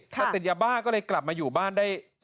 แต่ติดยาบ้าก็เลยกลับมาอยู่บ้านได้